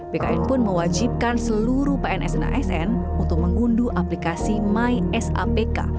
bkn pun mewajibkan seluruh pns dan asn untuk mengunduh aplikasi mysapk